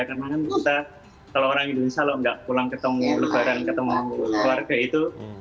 karena kan kita kalau orang indonesia lho enggak pulang ketemu lebaran ketemu keluarga itu